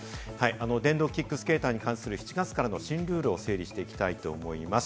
電動キックスケーターに関する７月からの新ルールを整理します。